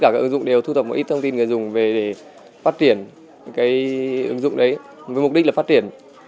các ứng dụng ảnh thu thập một ít thông tin người dùng về để phát triển cái ứng dụng đấy với mục đích là phát triển